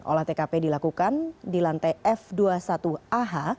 olah tkp dilakukan di lantai f dua puluh satu ah